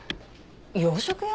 洋食屋？